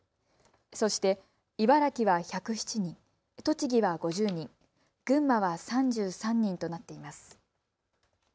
そして茨城は１０７人、栃木は５０人、群馬は３３人となっています。